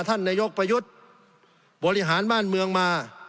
ท่านนายกประยุทธ์บริหารบ้านเมืองมา